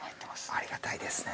ありがたいですね。